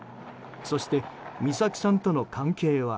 そして、美咲さんとの関係は？